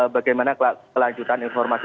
bagaimana kelanjutan informasi